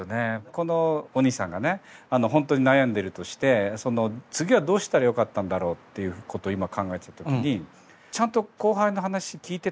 このおにいさんが本当に悩んでるとして次はどうしたらよかったんだろうっていうことを今考えた時にちゃんと後輩の話聞いてたかと。